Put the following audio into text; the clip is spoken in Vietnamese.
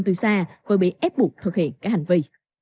những đứa trẻ bị kẻ làm dụng từ xa và bị ép buộc thực hiện các hành vi